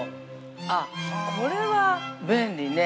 あ、これは便利ね。